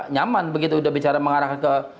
nyaman begitu udah bicara mengarah ke